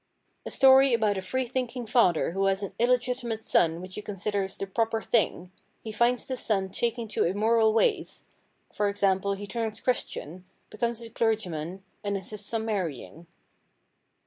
A Story about a Freethinking Father who has an illegitimate son which he considers the proper thing; he finds this son taking to immoral ways, e.g. he turns Christian, becomes a clergyman and insists on marrying.